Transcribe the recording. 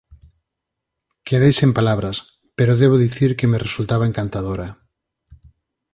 Quedei sen palabras, pero debo dicir que me resultaba encantadora.